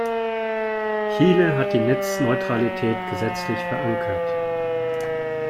Chile hat die Netzneutralität gesetzlich verankert.